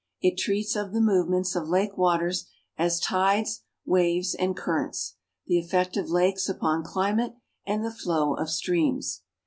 It treats of the movcMiients of lake waters, as tiiles, waves, ami currents, the elfect of lakes upon climate, and the How of streams.